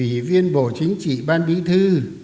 các đồng chí ủy viên bộ chính trị ban bí thư